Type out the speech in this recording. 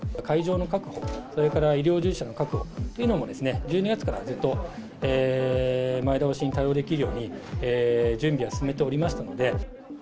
会場の確保、それから医療従事者の確保というのも、１２月からずっと、前倒しに対応できるように、準備を進めておりましたので。